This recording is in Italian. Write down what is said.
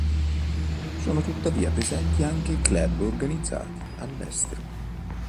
Sono tuttavia presenti anche club organizzati all'estero.